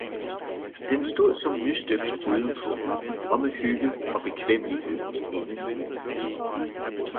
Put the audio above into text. den stod som nystøbt udenpå, og med hygge og bekvemmelighed indeni.